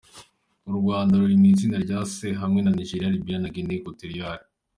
U Rwanda ruri mu itsinda rya C hamwe na Nigeria, Libya na Guinée Equatoriale.